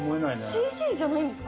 ＣＧじゃないんですか？